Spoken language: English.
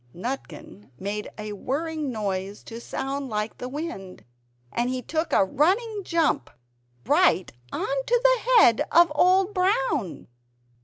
Nutkin made a whirring noise to sound like the WIND, and he took a running jump right onto the head of Old Brown!